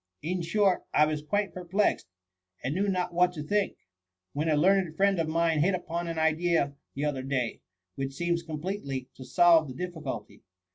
' In short, I was quite perplexed, and knew not what to think, when a learned friend of mine hit upon an ideia the other day, which seems completely to solve the difficulty.